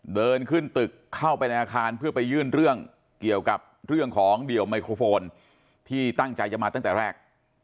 เดินขึ้นตึกเข้าไปในอาคารเพื่อไปยื่นเรื่องเกี่ยวกับเรื่องของเดี่ยวไมโครโฟนที่ตั้งใจจะมาตั้งแต่แรก